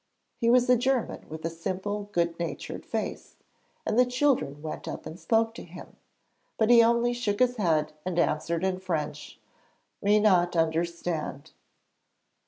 He was a German with a simple good natured face, and the children went up and spoke to him, but he only shook his head and answered in French, 'me not understand.'